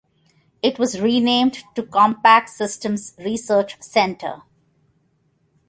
It was renamed to "Compaq Systems Research Center".